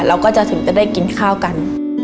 เราก็จะถึงจะได้กินข้าวกัน